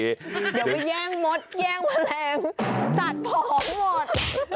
อย่าไปแย่งมดแย่งแมลงสัตว์ผอมหมด